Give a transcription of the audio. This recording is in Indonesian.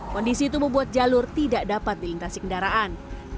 kondisi itu membuat jalur tidak dapat dilintasi kendaraan